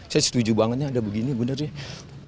saya setuju bangetnya ada begini bener deh